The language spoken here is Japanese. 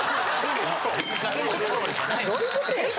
どういうことや？